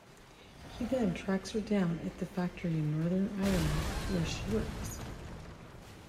He then tracks her down at the factory in Northern Ireland where she works.